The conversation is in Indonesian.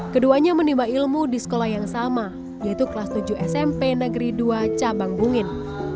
keduanya menimba ilmu di sekolah yang sama yaitu kelas tujuh smp negeri dua cabang bungin